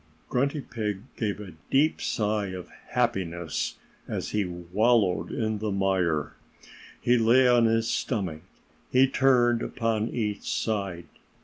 Grunty Pig gave a deep sigh of happiness as he wallowed in the mire. He lay on his stomach, he turned upon each side.